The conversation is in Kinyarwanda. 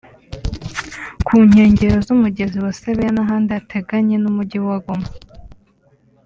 ku nkengero z’Umugezi wa Sebeya n’ahandi hateganye n’Umujyi wa Goma